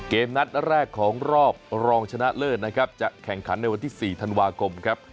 เกมนัดแรกของรอบรองชนะเลิศนะครับจะแข่งขันในวันที่๔ธันวาคมครับ